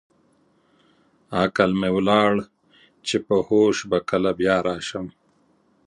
عقل مې ولاړ چې په هوښ به کله بیا راشم.